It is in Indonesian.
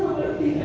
yang tak bisa